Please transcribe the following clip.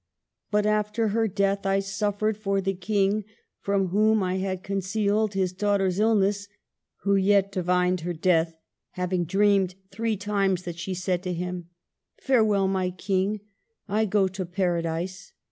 But after her death I suffered for the King, from whom I had concealed his daughter's illness ; who yet divined her death, hav ing dreamed three times that she said to him, ' Fare well, my King, I go to Paradise